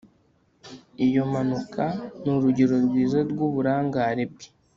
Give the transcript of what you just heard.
Iyo mpanuka ni urugero rwiza rwuburangare bwe